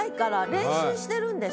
練習してるんでしょ？